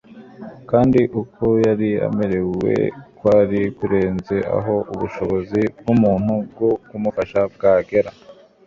kandi uko yari amerewe kwari kurenze aho ubushobozi bw'umuntu bwo kumufasha bwagera